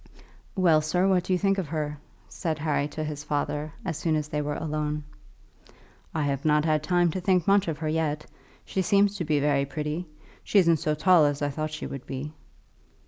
"Well, sir, what do you think of her?" said Harry to his father, as soon as they were alone. "I have not had time to think much of her yet. She seems to be very pretty. She isn't so tall as I thought she would be."